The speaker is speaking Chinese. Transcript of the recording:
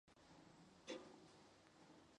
早年就学于国子监。